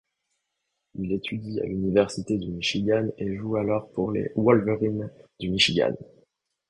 Il étudie à l'université du Michigan et joue alors pour les Wolverines du Michigan.